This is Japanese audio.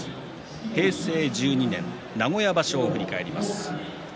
平成１２年名古屋場所を振り返ります。